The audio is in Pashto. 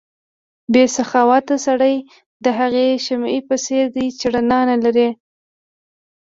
بې سخاوته سړی د هغې شمعې په څېر دی چې رڼا نه لري.